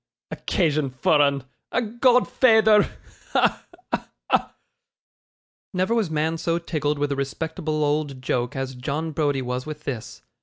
Occasion for 'un a godfeyther! Ha! ha! ha!' Never was man so tickled with a respectable old joke, as John Browdie was with this.